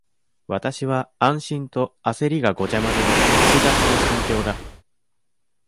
わたしは、安心とあせりがごちゃまぜの、複雑な心境だ。